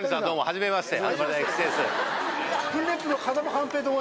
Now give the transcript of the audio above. はじめまして。